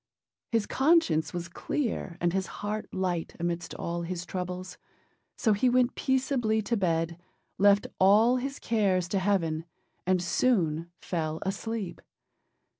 His conscience was clear and his heart light amidst all his troubles; so he went peaceably to bed, left all his cares to Heaven, and soon fell asleep.